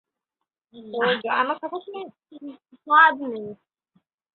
তৌহিদুর রহমান দাবি করেন, তুচ্ছ ঘটনায় বিশ্ববিদ্যালয় প্রশাসন ক্যাম্পাস বন্ধ করে দিল।